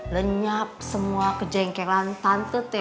lenyap semua kejengkelan tante tete